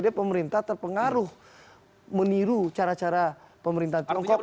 apakah pemerintah terpengaruh meniru cara cara pemerintah tiongkok untuk